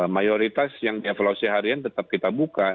mayoritas yang dievaluasi harian tetap kita buka